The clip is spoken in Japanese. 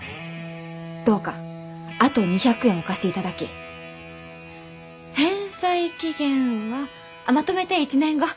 どうかあと２００円お貸しいただき返済期限はまとめて１年後。